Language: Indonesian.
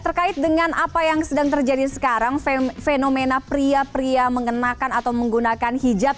terkait dengan apa yang sedang terjadi sekarang fenomena pria pria mengenakan atau menggunakan hijab